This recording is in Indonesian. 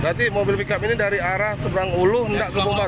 berarti mobil pick up ini dari arah seberang ulu hendak kebomor